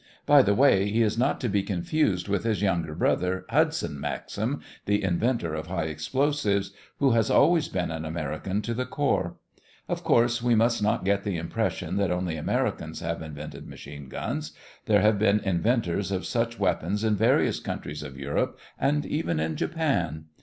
By the way, he is not to be confused with his younger brother, Hudson Maxim, the inventor of high explosives, who has always been an American to the core. Of course we must not get the impression that only Americans have invented machine guns. There have been inventors of such weapons in various countries of Europe, and even in Japan.